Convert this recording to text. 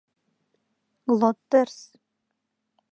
Глоттерс!